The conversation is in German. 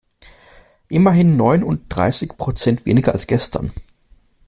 Immerhin neununddreißig Prozent weniger als gestern.